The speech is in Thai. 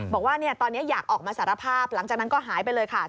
บอกว่าตอนนี้อยากออกมาสารภาพหลังจากนั้นก็หายไปเลยค่ะ